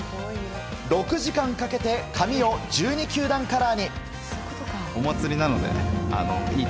６時間かけて髪を１２球団カラーに。